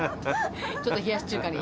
ちょっと冷やし中華に。